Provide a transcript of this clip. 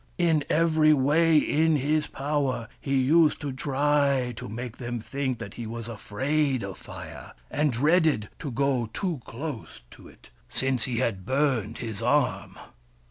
In every way in his power he used to try to make them think that he was afraid of Fire and dreaded to go too close to it since he had burned his arm.